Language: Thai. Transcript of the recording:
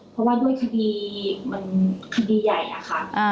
เพราะว่าด้วยคดีมันคดีใหญ่อะค่ะ